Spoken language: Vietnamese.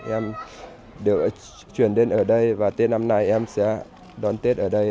em được chuyển đến ở đây và tết năm nay em sẽ đón tết ở đây